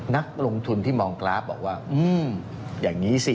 นักลงทุนที่มองกราฟบอกว่าอย่างนี้สิ